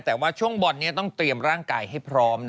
แต่ว่าช่วงบอลนี้ต้องเตรียมร่างกายให้พร้อม